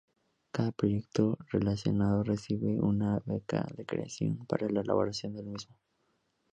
Cada proyecto seleccionado recibe una beca de creación para la elaboración del mismo.